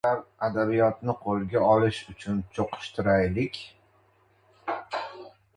— Qani, do‘stlar, adabiyotni qo‘lga olish uchun cho‘qishtiraylik!